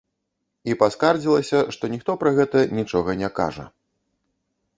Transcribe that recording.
І паскардзілася, што ніхто пра гэта нічога не кажа.